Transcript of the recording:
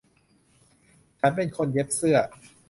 ฉันเป็นคนเย็บเสื้อ